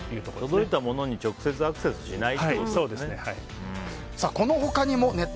届いたものに直接アクセスしない。